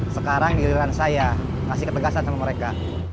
sekarang di hiliran saya kasih ketegasan sama mereka